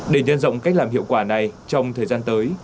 để nhân rộng cách làm hiệu quả này trong thời gian tới